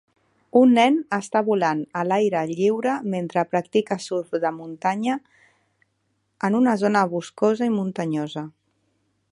Un nen està volant a l'aire lliure mentre practica surf de muntana en una zona boscosa i muntanyosa.